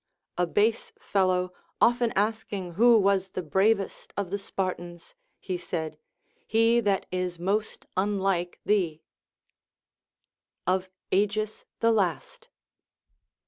A base fellow often asking who Λvas the bravest of the Spartans, he said, He that is most un like thee. Of Agis the Last.